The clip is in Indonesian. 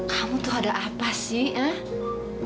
kamu tuh ada apa sih